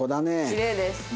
きれいです。